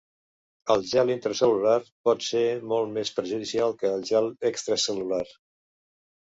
El gel intracel·lular pot ser molt més perjudicial que el gel extracel·lular.